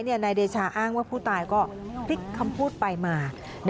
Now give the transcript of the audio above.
นายเดชาอ้างว่าผู้ตายก็พลิกคำพูดไปมา